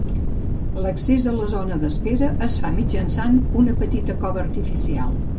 L'accés a la zona d'espera es fa mitjançant una petita cova artificial.